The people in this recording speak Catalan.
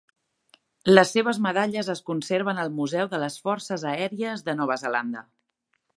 Les seves medalles es conserven al Museu de les Forces Aèries de Nova Zelanda.